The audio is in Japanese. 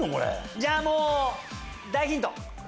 じゃあ大ヒント。